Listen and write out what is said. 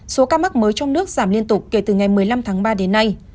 số ca mắc mới trong nước giảm liên tục kể từ ngày một mươi năm tháng ba đến nay